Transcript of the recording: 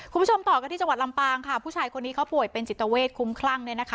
คุณผู้ชมต่อกันที่จังหวัดลำปางค่ะผู้ชายคนนี้เขาป่วยเป็นจิตเวทคุ้มคลั่งเนี่ยนะคะ